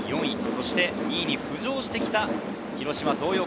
そして２位に浮上してきた広島。